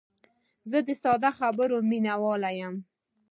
زه د ساده خبرو مینوال یم.